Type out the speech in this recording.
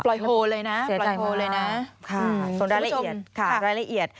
ปล่อยโฮลเลยนะปล่อยโฮลเลยนะโทษทีมากค่ะส่วนรายละเอียดค่ะรายละเอียด